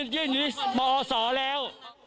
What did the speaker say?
ยื่นอยู่บบสแล้ว